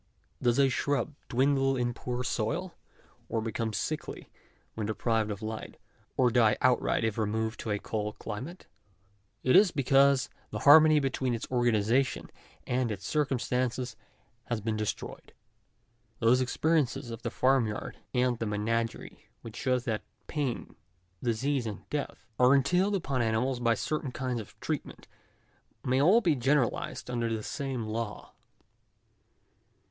Does a shrub dwindle in poor soil, or become sickly when de prived of light, or die outright if removed to a cold climate ? it is because the harmony between its organization and its cir cumstances has been destroyed. Those experiences of the farm yard and the menagerie which show that pain, disease, and death, are entailed upon animals by certain kinds of treatment, may all be generalised under the same law.